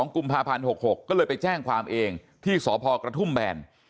กุมภาพันธ์๖๖ก็เลยไปแจ้งความเองที่สพกระทุ่มแบน